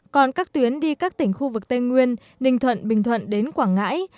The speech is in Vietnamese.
còn các tuyến đi các tỉnh khu vực tây nguyên ninh thuận bình thuận đến quảng ngãi